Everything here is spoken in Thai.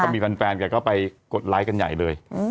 นี่ฝั่งใครก็ไปกดไลก์กันใหญ่เลย